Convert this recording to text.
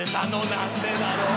なんでだろう